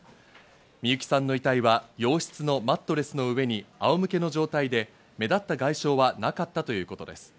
美友紀さんの遺体は洋室のマットレスの上にあお向けの状態で目立った外傷はなかったということです。